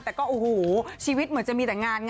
แต่ชีวิตเหมือนจะมีแต่งาน